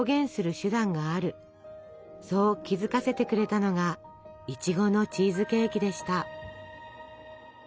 そう気付かせてくれたのがいちごのチーズケーキでした。